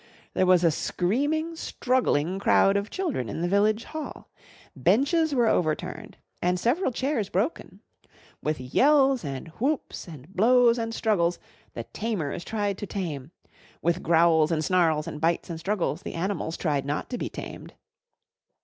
There was a screaming, struggling crowd of children in the Village Hall. Benches were overturned and several chairs broken. With yells and whoops, and blows and struggles, the Tamers tried to tame; with growls and snarls and bites and struggles the animals tried not to be tamed.